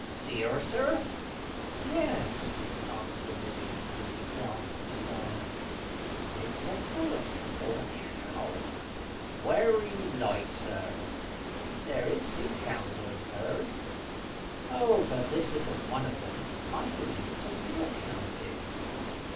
"See her, sir?" "Yes," answered the middy, with his glass at his eye. "It's a bullock or a cow." "Werry like, sir. There is sea cows, I've heared." "Oh, but this isn't one of them. I believe it's a real cow, Dick."